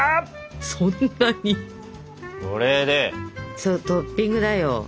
そうトッピングだよ。